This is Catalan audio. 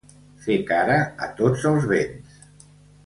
Fer cara a tots els vents.